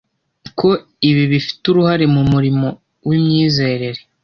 ko ibi bifite uruhare mu murimo wimyizerere